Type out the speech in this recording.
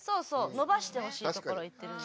伸ばしてほしいところ言ってるんで。